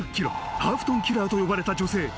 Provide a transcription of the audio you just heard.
ハーフトンキラーと呼ばれた女性。